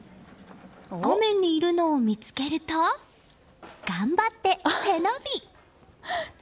画面にいるのを見つけると頑張って背伸び。